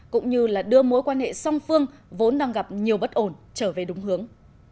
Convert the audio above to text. cũng như là đưa mối quan hệ song phương vốn đang gặp nhiều bất ổn trở về đúng hướng